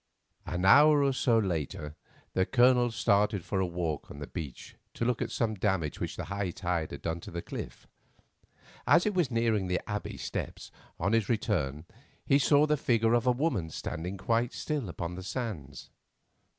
An hour or so later the Colonel started for a walk on the beach to look at some damage which a high tide had done to the cliff. As he was nearing the Abbey steps on his return he saw the figure of a woman standing quite still upon the sands.